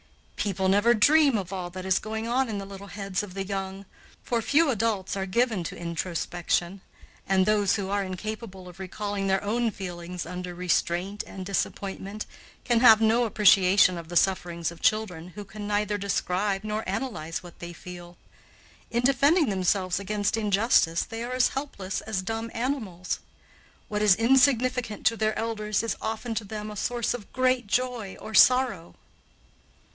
People never dream of all that is going on in the little heads of the young, for few adults are given to introspection, and those who are incapable of recalling their own feelings under restraint and disappointment can have no appreciation of the sufferings of children who can neither describe nor analyze what they feel. In defending themselves against injustice they are as helpless as dumb animals. What is insignificant to their elders is often to them a source of great joy or sorrow.